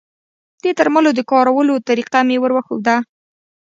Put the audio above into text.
د درملو د کارولو طریقه مې وروښوده